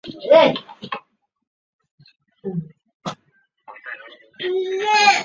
时人不能推测他的为人。